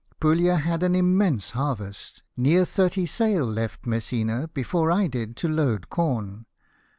Puglia had an im mense harvest, near thirty sail left Messina before I did to load corn.